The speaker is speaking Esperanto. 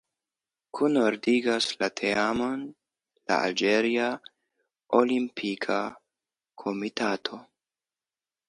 Kunordigas la teamon la Alĝeria Olimpika Komitato.